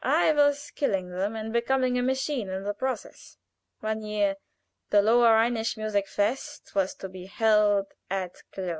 I was killing them, and becoming a machine in the process. "One year the Lower Rhenish Musikfest was to be held at Köln.